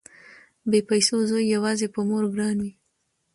بې پيسو زوی يواځې په مور ګران وي